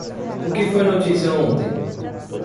O que foi notícia ontem?